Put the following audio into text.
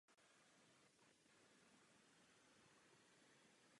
Po navázání spojení požaduje Khan veškeré materiály týkající se Genesis.